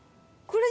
これ？